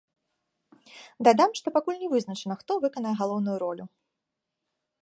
Дадам, што пакуль не вызначана, хто выканае галоўную ролю.